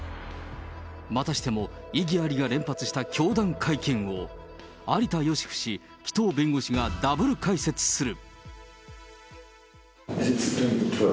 またしても異議ありが連発した教団会見を、有田芳生氏、紀藤弁護士がダブル解説する。